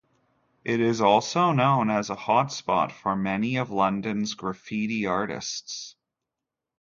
It is also known as a hotspot for many of London's graffiti artists.